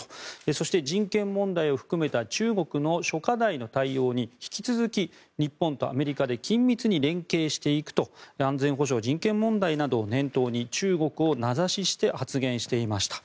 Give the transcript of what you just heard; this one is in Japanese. そして人権問題を含めた中国の諸課題の対応に引き続き日本とアメリカで緊密に連携していくと安全保障、人権問題などを念頭に中国を名指しして発言していました。